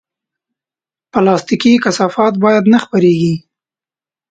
پلاستيکي کثافات باید نه خپرېږي.